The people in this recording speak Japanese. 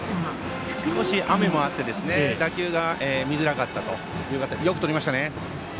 少し雨もあって打球が見えづらかった中よくとりましたね。